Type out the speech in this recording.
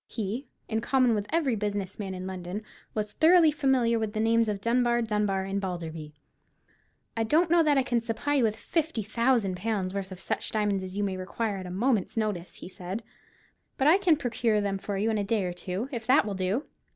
He, in common with every business man in London, was thoroughly familiar with the names of Dunbar, Dunbar, and Balderby. "I don't know that I can supply you with fifty thousand pounds' worth of such diamonds as you may require at a moment's notice," he said; "but I can procure them for you in a day or two, if that will do?"